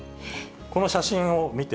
この写真を見て。